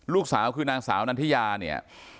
ลูกสาวคือนางสาวนันทิยาเนี่ย